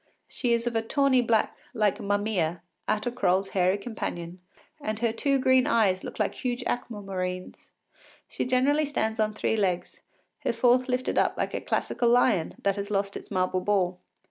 She is of a tawny black, like Mummia, Atta Croll’s hairy companion, and her two green eyes look like huge aqua marines. She generally stands on three legs, her fourth lifted up like a classical lion that has lost its marble ball.